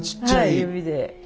はい指で。